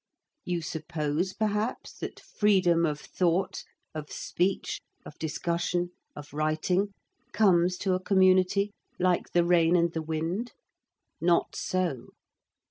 You suppose, perhaps, that freedom of thought, of speech, of discussion, of writing comes to a community like the rain and the wind? Not so.